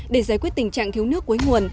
để giải quyết tình trạng thiếu nước cuối nguồn